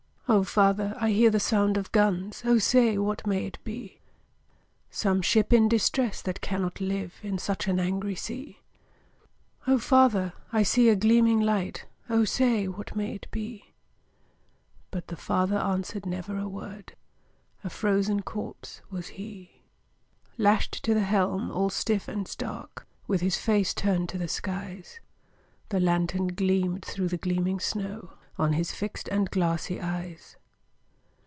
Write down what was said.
'O father! I hear the sound of guns, O say, what may it be?' 'Some ship in distress that cannot live In such an angry sea!' 'O father! I see a gleaming light, O say, what may it be?' But the father answered never a word, A frozen corpse was he. Lashed to the helm, all stiff and stark, With his face turned to the skies, The lantern gleamed through the gleaming snow On his fixed and glassy eyes.